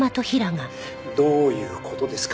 どういう事ですか？